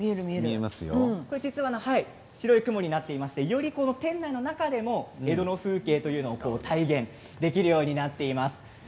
実は白い雲になっていましてより店内でも江戸の風景を体験できるようになっています。